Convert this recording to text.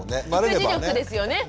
育児力ですよね。